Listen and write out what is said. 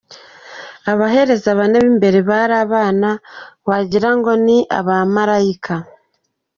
Abahereza bane b’imbere bari abana, wagirango ni Abamalayika.